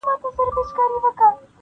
ستا به هم بلا ګردان سمه نیازبیني,